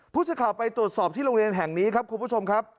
ผู้สื่อข่าวไปตรวจสอบที่โรงเรียนแห่งนี้ครับคุณผู้ชมครับ